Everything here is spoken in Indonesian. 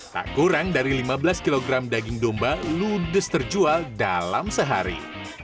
tak kurang dari lima belas kg daging domba ludes terjual dalam sehari